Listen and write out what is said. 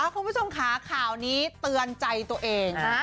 คุณผู้ชมค่ะข่าวนี้เตือนใจตัวเอง